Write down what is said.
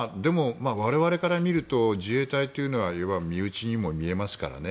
でも、我々から見ると自衛隊というのは身内にも見えますからね。